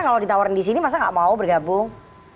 kalau ditawarin di sini masa gak mau bergabung